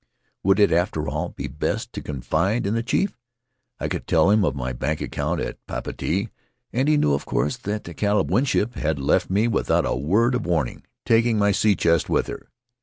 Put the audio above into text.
Would it, after all, be best to confide in the chief? I could tell him of my bank account at Papeete, and he knew, of course, that the Caleb Winship had left me without a word of warning, taking my sea chest with her.